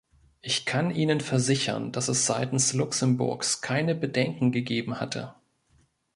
Ich kann Ihnen versichern, dass es seitens Luxemburgs keine Bedenken gegeben hatte.